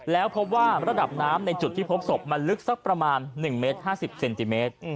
แล้วพบว่าระดับน้ำในจุดที่พบศพมันลึกสักประมาณ๑เมตร๕๐เซนติเมตร